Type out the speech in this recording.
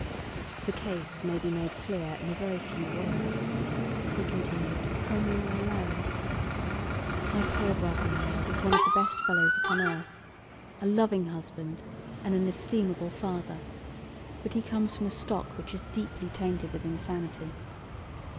"The case may be made clear in a very few words," he continued, when we were alone. "My poor brother in law is one of the best fellows upon earth, a loving husband and an estimable father, but he comes from a stock which is deeply tainted with insanity.